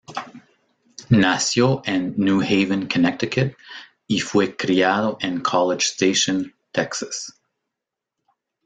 Nació en New Haven, Connecticut, y fue criado en College Station, Texas.